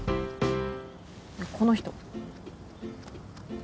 この人。